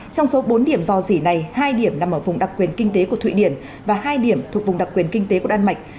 trong số bốn điểm dò dỉ này hai điểm nằm ở vùng đặc quyền kinh tế của thụy điển và hai điểm thuộc vùng đặc quyền kinh tế của đan mạch